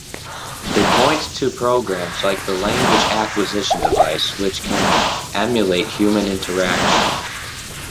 They point to programs like the Language Acquisition Device which can emulate human interaction.